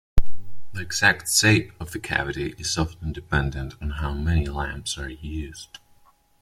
The exact shape of the cavity is often dependent on how many lamps are used.